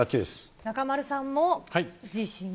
中丸さんも自信は？